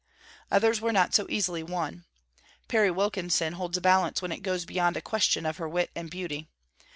Others were not so easily won. Perry Wilkinson holds a balance when it goes beyond a question of her wit and beauty.